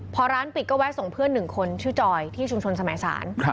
พอร้านปิดก็แวะส่งเพื่อน๑คนชื่อจอยที่ชุมชนสมัยศาล